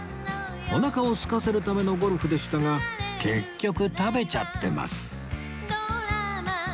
おなかをすかせるためのゴルフでしたが結局食べちゃってます